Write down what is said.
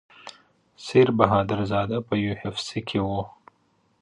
سیر بهادر زاده په یو اف سي کې و.